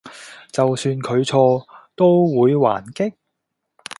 就算佢錯都會還擊？